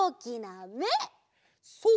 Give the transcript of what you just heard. そう！